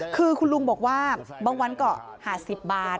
คือคุณลุงบอกว่าบางวันก็๕๐บาท